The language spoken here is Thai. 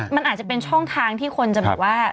มันอาจจะเป็นช่องทางที่คนจะแบบว่า